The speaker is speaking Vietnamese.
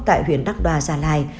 tại huyện đắk đòa gia lai